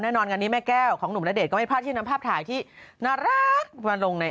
งานนี้แม่แก้วของหนุ่มณเดชนก็ไม่พลาดที่นำภาพถ่ายที่น่ารักมาลงใน